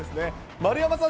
丸山さん、